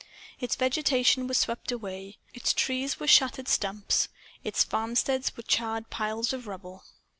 Its vegetation was swept away. Its trees were shattered stumps. Its farmsteads were charred piles of rubble.